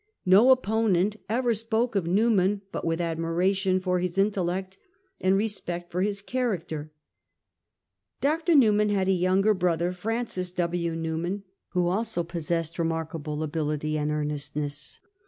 No opponent ever spoke of Newman but with admiration for his intellect and respect for his character. Dr. Newman had a younger brother, Francis W. Newman, who also possessed 1811 . 'PAR NOBILE FRATRUM.' 211 remarkable ability and earnestness.